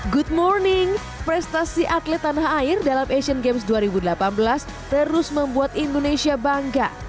good morning prestasi atlet tanah air dalam asian games dua ribu delapan belas terus membuat indonesia bangga